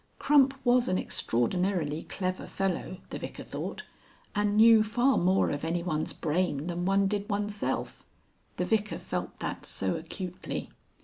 Crump was an extraordinarily clever fellow, the Vicar thought, and knew far more of anyone's brain than one did oneself. The Vicar felt that so acutely.